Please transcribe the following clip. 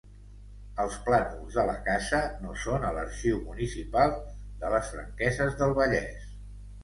Els plànols de la casa no són a l'arxiu municipal de les Franqueses del Vallès.